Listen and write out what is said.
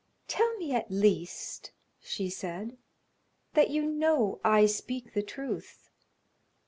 "Tell me at least," she said, "that you know I speak the truth.